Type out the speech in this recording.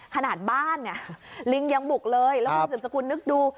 ขนาดบ้านลิงยังบุกเลยแล้วความสิบสกุลนึกดู